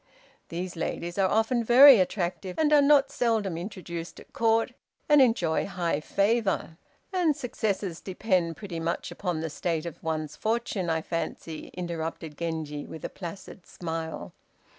These ladies are often very attractive, and are not seldom introduced at Court and enjoy high favor." "And successes depend pretty much upon the state of one's fortune, I fancy," interrupted Genji, with a placid smile.